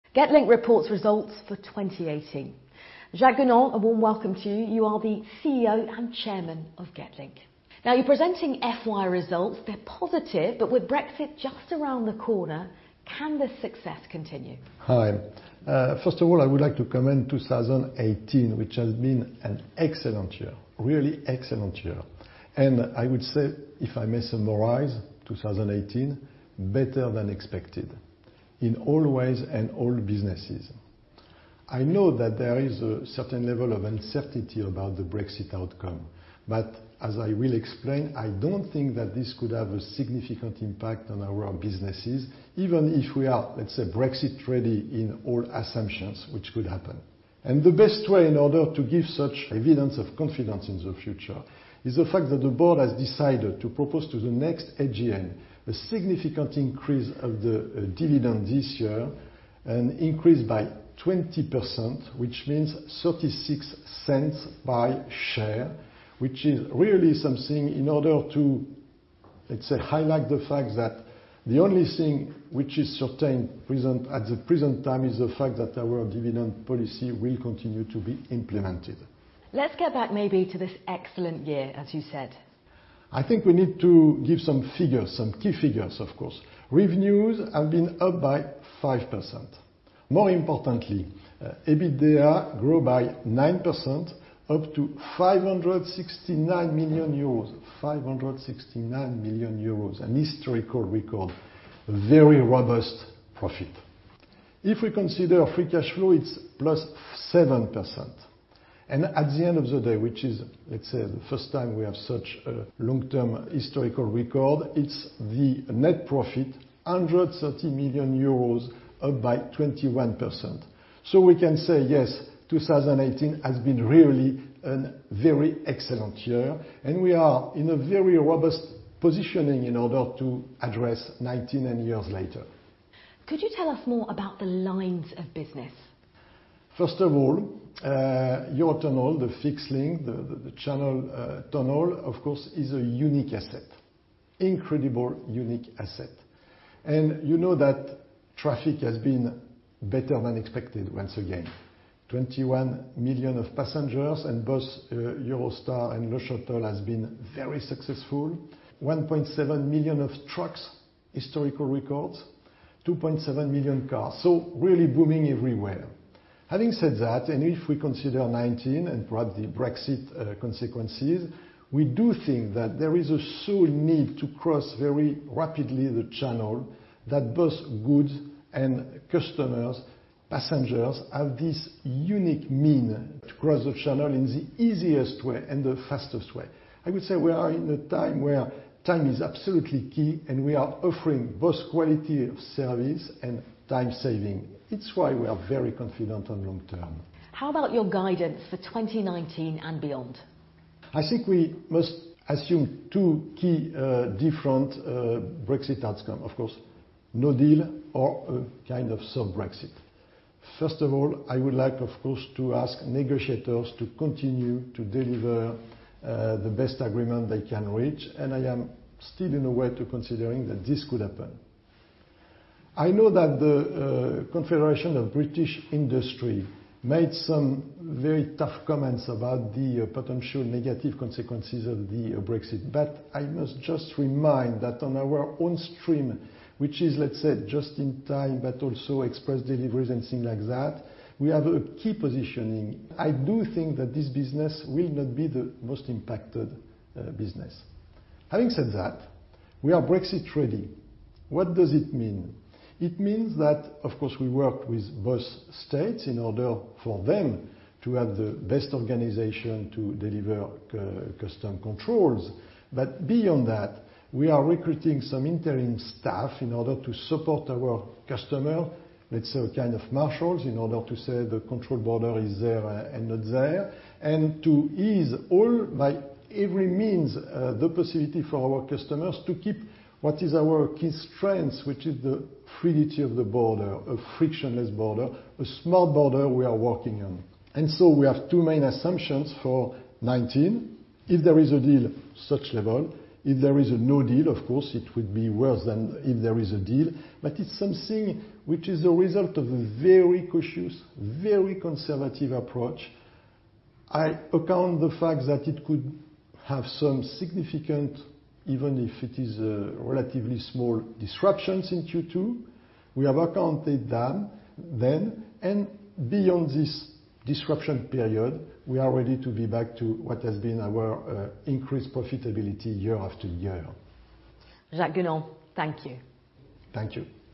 Getlink reports results for 2018. Jacques Gounon, a warm welcome to you. You are the CEO and Chairman of Getlink. You're presenting FY results. They're positive, with Brexit just around the corner, can the success continue? Hi. First of all, I would like to comment 2018, which has been an excellent year, really excellent year. I would say, if I may summarize 2018, better than expected in all ways and all businesses. I know that there is a certain level of uncertainty about the Brexit outcome, as I will explain, I don't think that this could have a significant impact on our businesses, even if we are, let's say, Brexit-ready in all assumptions, which could happen. The best way in order to give such evidence of confidence in the future is the fact that the board has decided to propose to the next AGM a significant increase of the dividend this year, an increase by 20%, which means 0.36 by share, which is really something in order to, let's say, highlight the fact that the only thing which is certain at the present time is the fact that our dividend policy will continue to be implemented. Let's get back maybe to this excellent year, as you said. I think we need to give some figures, some key figures, of course. Revenues have been up by 5%. More importantly, EBITDA grew by 9%, up to 569 million euros. 569 million euros, an historical record, very robust profit. If we consider free cash flow, it's plus 7%. At the end of the day, which is, let's say, the first time we have such a long-term historical record, it's the net profit, 130 million euros, up by 21%. We can say yes, 2018 has been really an very excellent year, and we are in a very robust positioning in order to address 2019 and years later. Could you tell us more about the lines of business? First of all, Eurotunnel, the fixed link, the Channel Tunnel, of course, is a unique asset, incredible, unique asset. You know that traffic has been better than expected once again. 21 million of passengers in both Eurostar and LeShuttle has been very successful. 1.7 million of trucks, historical records. 2.7 million cars. Really booming everywhere. Having said that, if we consider 2019 and perhaps the Brexit consequences, we do think that there is a sure need to cross very rapidly the Channel, that both goods and customers, passengers have this unique mean to cross the Channel in the easiest way and the fastest way. I would say we are in a time where time is absolutely key, and we are offering both quality of service and time saving. It's why we are very confident on long term. How about your guidance for 2019 and beyond? I think we must assume two key different Brexit outcome, of course, no deal or a kind of soft Brexit. First of all, I would like, of course, to ask negotiators to continue to deliver the best agreement they can reach, and I am still in a way to considering that this could happen. I know that the Confederation of British Industry made some very tough comments about the potential negative consequences of the Brexit. I must just remind that on our own stream, which is, let's say, just in time, but also express deliveries and things like that, we have a key positioning. I do think that this business will not be the most impacted business. Having said that, we are Brexit-ready. What does it mean? It means that, of course, we work with both states in order for them to have the best organization to deliver custom controls. Beyond that, we are recruiting some interim staff in order to support our customer with some kind of marshals in order to say the control border is there and not there, and to ease all, by every means, the possibility for our customers to keep what is our key strengths, which is the fluidity of the border, a frictionless border, a smart border we are working on. We have two main assumptions for 2019. If there is a deal, such level. If there is a no deal, of course, it would be worse than if there is a deal. It's something which is the result of a very cautious, very conservative approach. I account the fact that it could have some significant, even if it is relatively small disruptions in Q2. We have accounted them then. Beyond this disruption period, we are ready to be back to what has been our increased profitability year after year. Jacques Gounon, thank you. Thank you.